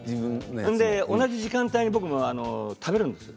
同じ時間帯に僕も食べるんです。